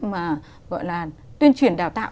mà gọi là tuyên truyền đào tạo